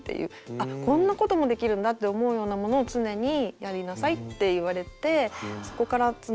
あっこんなこともできるんだって思うようなものを常にやりなさいって言われてそこから常に意識しています。